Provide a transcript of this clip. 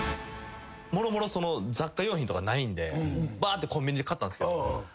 もろもろ雑貨用品とかないんでバーってコンビニで買ったんですけど。